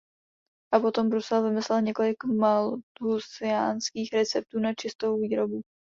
A potom Brusel vymyslel několik malthusiánských receptů na čistou výrobu.